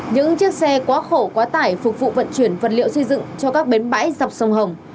những chiếc xe quá khổ quá tải phục vụ vận chuyển vật liệu xây dựng cho các bến bãi dọc sông hồng